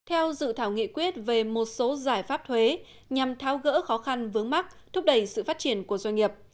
theo dự thảo nghị quyết về một số giải pháp thuế nhằm tháo gỡ khó khăn vướng mắt thúc đẩy sự phát triển của doanh nghiệp